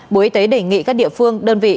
bộ y tế đề nghị các địa phương đơn vị